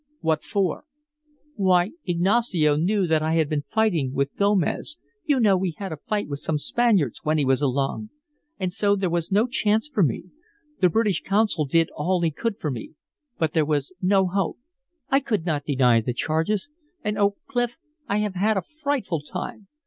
"What for?" "Why, Ignacio knew that I had been fighting with Gomez; you know we had a fight with some Spaniards when he was along. And so there was no chance for me. The British consul did all he could for me, but there was no hope. I could not deny the charges. And, oh, Clif, I have had a frightful time.